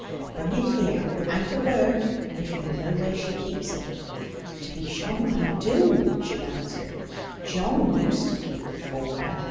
Bring it here, without a word; if you know where she keeps it.' 'To be sure I do,' she answered; 'John used to keep it for her.